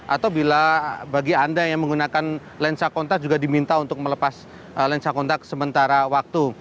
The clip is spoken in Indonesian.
atau bila bagi anda yang menggunakan lensa kontak juga diminta untuk melepas lensa kontak sementara waktu